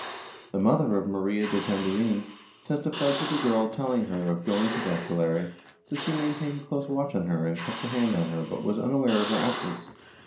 The mother of Maria de Tamborin testified to the girl telling her of going to the aquelarre, so she maintained close watch on her and kept a hand on her but was unaware of her absence.